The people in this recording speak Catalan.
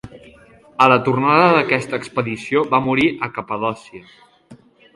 A la tornada d'aquesta expedició va morir a Capadòcia.